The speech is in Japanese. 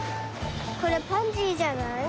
これパンジーじゃない？